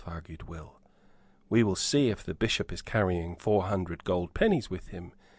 argued Will. "We will see if the Bishop is carrying four hundred gold pennies with him.